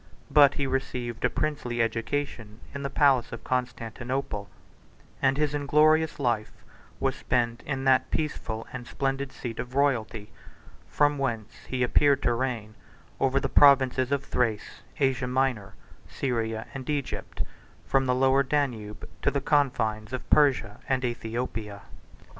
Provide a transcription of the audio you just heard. But he received a princely education in the palace of Constantinople; and his inglorious life was spent in that peaceful and splendid seat of royalty, from whence he appeared to reign over the provinces of Thrace, Asia Minor, Syria, and Egypt, from the Lower Danube to the confines of Persia and Æthiopia.